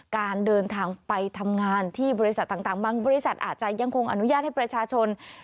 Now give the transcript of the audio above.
การเดินทางไปทำงานที่บริษัทต่างบางบริษัทอาจจะยังคงอนุญาตให้ประชาชน